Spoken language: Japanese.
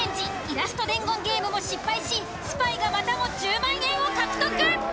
イラスト伝言ゲームも失敗しスパイがまたも１０万円を獲得！